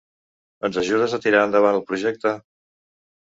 Ens ajudes a tirar endavant el projecte?